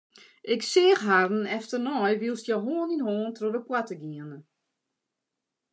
Ik seach harren efternei wylst hja hân yn hân troch de poarte giene.